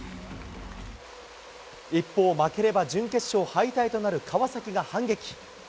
一方、負ければ準決勝敗退となる川崎が反撃。